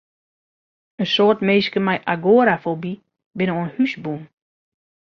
In soad minsken mei agorafoby binne oan hûs bûn.